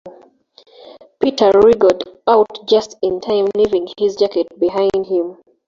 Peter wriggled out just in time, leaving his jacket behind him.